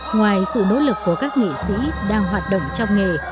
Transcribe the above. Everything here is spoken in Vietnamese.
ngoài sự nỗ lực của các nghệ sĩ đang hoạt động trong nghề